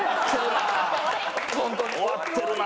終わってるな。